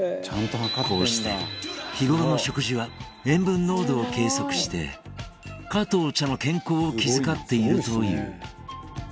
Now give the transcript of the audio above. こうして日ごろの食事は塩分濃度を計測して加藤茶の健康を気遣っているという。